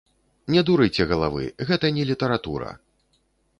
Не дурыце галавы, гэта не літаратура!